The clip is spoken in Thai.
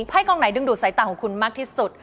ให้กองไหนดึงดูดสายตาของคุณมากที่สุด